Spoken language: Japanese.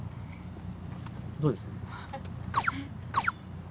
どうです？え？